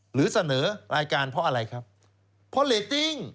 หรือเสนอรายการเพราะอะไรครับเพราะเรตติ้ง